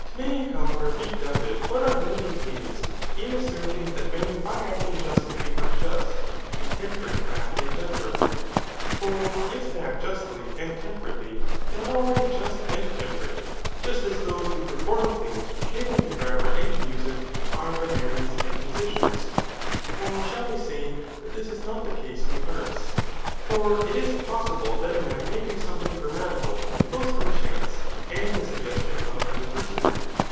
Irnay, howevar, be dbnbted what our meaning is in Mertinfg that meti by actbg ju^ly become just, and tonperate by acting tempeiately ; for if they act justly aaA temperatelyt th^y are already just and temperate ) just as those who perform diings pertaining to grammar mi nnusic, are gran^marians and musidsms. Or shsd! vesay) that this is not the case b theartsf For it is pos siUe ^at a man may do something grammatical both fidm chance and the suggestion of another person.